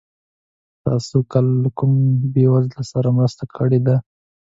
تاسو کله له کوم بېوزله سره مرسته کړې ده؟